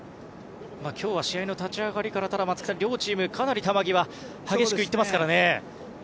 今日は試合の立ち上がりから両チームかなり球際、激しく行っていますからね。